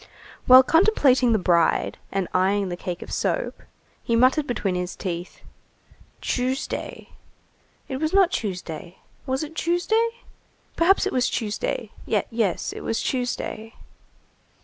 While contemplating the bride, and eyeing the cake of soap, he muttered between his teeth: "Tuesday. It was not Tuesday. Was it Tuesday? Perhaps it was Tuesday. Yes, it was Tuesday."